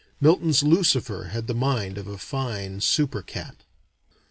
Milton's Lucifer had the mind of a fine super cat.